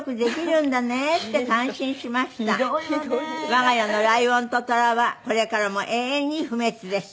「我が家のライオンとトラはこれからも永遠に不滅です」